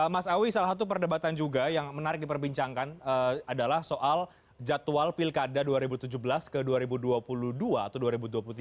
mas awi salah satu perdebatan juga yang menarik diperbincangkan adalah soal jadwal pilkada dua ribu tujuh belas ke dua ribu dua puluh dua atau dua ribu dua puluh tiga